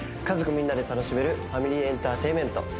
家族みんなで楽しめるファミリーエンターテインメント